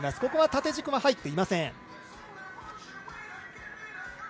ここは縦軸は入っていません。